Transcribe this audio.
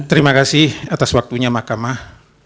terima kasih atas waktunya mahkamah